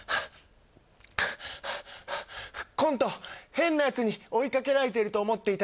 「変な奴に追いかけられてると思っていたら」